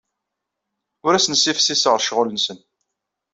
Ur asen-ssifsiseɣ ccɣel-nsen.